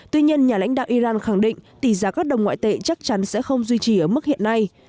tuy nhiên nhà lãnh đạo iran khẳng định tỷ giá các đồng ngoại tệ chắc chắn sẽ không duy trì ở mức hiện nay